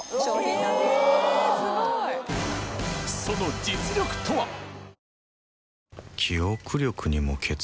その実力とは？